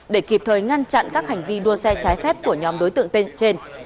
để kịp thời ngăn chặn các hành vi đua xe trái phép của nhóm đối tượng tên trên